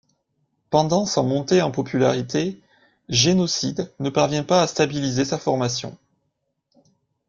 Pendant sa montée en popularité, Genocide ne parvient pas à stabiliser sa formation.